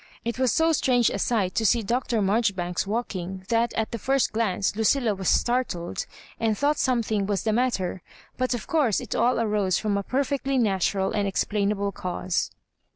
It was so strange a sight to see Dr. Mar joribanks walking that at the first glance Lucilla was startled, and thought something was the matter ; but, of course, it all arose from a per fectly natural and explainable cause.